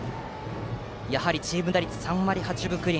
やはりチーム打率３割８分９厘。